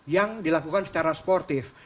yang dilakukan secara sportif